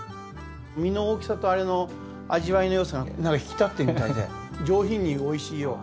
身の大きさとあれの味わいの良さがなんか引き立ってるみたいで上品においしいよ。